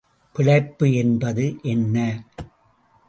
பிழைப்பு என்பது என்ன?